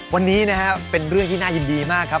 วันนี้นะครับเป็นเรื่องที่น่ายินดีมากครับ